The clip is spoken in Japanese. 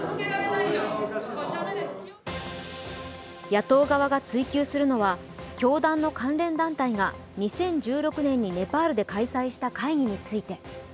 野党側が追及するのは教団の関連団体が２０１６年にネパールで開催した会議について。